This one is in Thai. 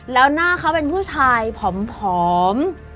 แล้วหน้าเขาเป็นผู้ชายผอม